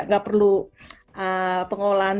nggak perlu pengolahan